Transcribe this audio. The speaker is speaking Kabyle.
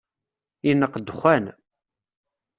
Ineqq dexxan.